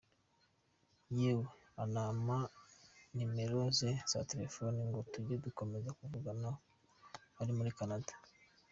Yewe anampa nimero ze za telefoni ngo tujye dukomeza kuvugana ari muri Canada.